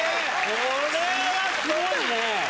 これはすごいね。